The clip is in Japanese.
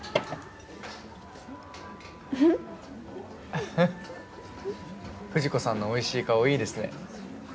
アハっ藤子さんのおいしい顔いいですね。